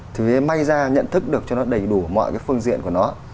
thì may ra nhận thức được cho nó đầy đủ mọi cái phương diện của nó